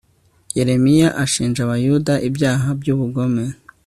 yeremiya ashinja abayuda ibyaha by ubugome